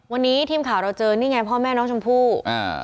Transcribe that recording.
วันนี้ทีมข่าวเราเจอนี่ไงพ่อแม่น้องชมพู่อ่า